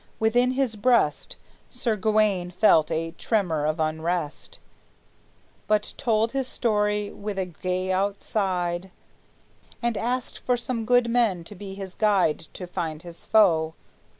Within his breast Sir Gawayne felt a tremor of unrest, But told his story with a gay outside, And asked for some good man to be his guide To find his foe.